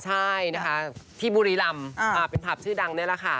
ใช่นะคะที่บูริลำเป็นครั๊บชื่อดังนั้นล่ะค่ะ